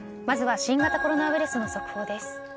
まずは新型コロナウイルスの速報です。